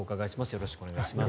よろしくお願いします。